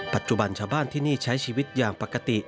ปัจจุบันชาวบ้านที่นี่ใช้ชีวิตอย่างปกติ